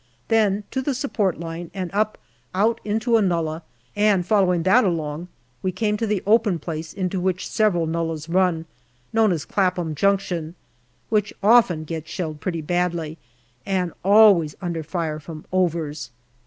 Then to the support line, and up out into a nullah, and following that along we came to the open place into which several nullahs ran, known as " Clapham Junction," which often gets shelled pretty badly, and always under fire from " overs."